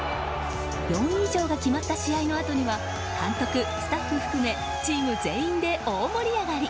４位以上が決まった試合のあとには監督スタッフ含めチーム全員で大盛り上がり！